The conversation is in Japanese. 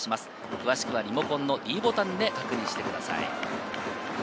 詳しくはリモコンのｄボタンで確認してください。